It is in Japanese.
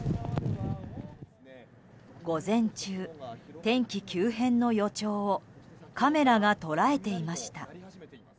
午前中、天気急変の予兆をカメラが捉えていました。